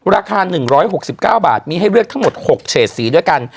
ราคา๑๖๙บาทมีให้เลือก๖เฉศสีด้วยกัน